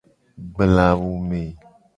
Gbla awu me.